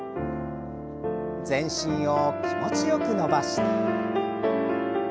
全身を気持ちよく伸ばして。